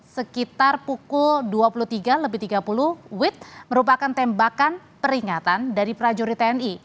sekitar pukul dua puluh tiga tiga puluh wit merupakan tembakan peringatan dari prajurit tni